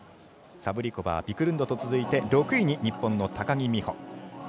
サブリコバー、ビクルンドと続いて６位に日本の高木美帆。